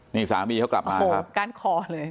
นี่สามีเค้ากลับมาครับโอ้โหก้านคอเลย